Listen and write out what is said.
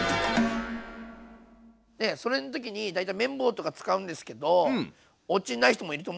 それの時に大体麺棒とか使うんですけどおうちにない人もいると思うんでこれでもいいですよ。